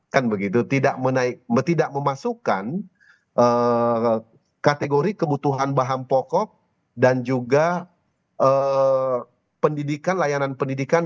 kan begitu tidak memasukkan kategori kebutuhan bahan pokok dan juga pendidikan layanan pendidikan